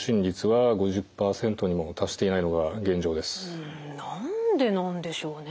一方何でなんでしょうね？